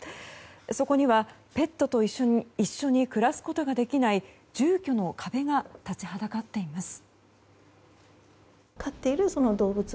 そこにはペットと一緒に暮らすことができない住居の壁が立ちはだかっています。